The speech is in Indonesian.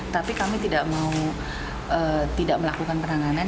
tapi kami tidak mau tidak melakukan penanganan